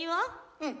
うん。